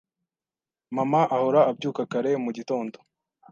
Mama ahora abyuka kare mu gitondo.